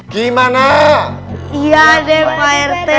gimana iya deh pak rt hehehe